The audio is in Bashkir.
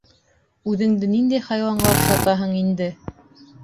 — Үҙеңде ниндәй хайуанға оҡшатаһың инде?